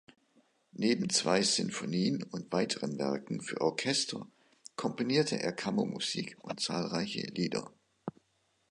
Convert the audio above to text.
Neben zwei Sinfonien und weiteren Werken für Orchester komponierte er Kammermusik und zahlreiche Lieder.